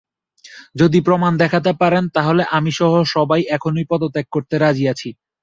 যদি প্রমাণ দেখাতে পারেন, তাহলে আমিসহ সবাই এখনই পদত্যাগ করতে রাজি আছি।